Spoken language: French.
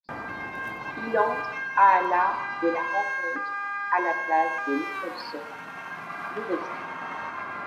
Il entre à la de la rencontre, à la place de Nikolče Noveski.